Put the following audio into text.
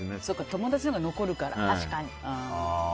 友達のほうが残るから。